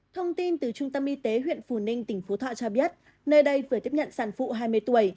thông tin từ trung tâm y tế huyện phù ninh tỉnh phú thọ cho biết nơi đây vừa tiếp nhận sản phụ hai mươi tuổi